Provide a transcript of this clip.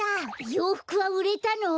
ようふくはうれたの？